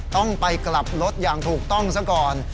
ต้องไปกลับรถอย่างถูกต้องซะก่อน